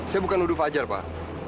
saya bukan luduh fajar pak